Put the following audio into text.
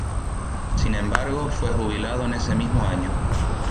Sin embargo, fue jubilado en ese mismo año.